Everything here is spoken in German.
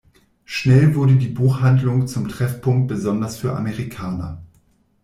Schnell wurde die Buchhandlung zum Treffpunkt besonders für Amerikaner.